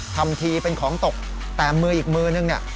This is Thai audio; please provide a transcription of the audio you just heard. ทำทีเป็นของตกแต่มืออีกมือนึงเนี่ย